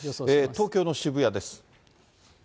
東京の渋谷です。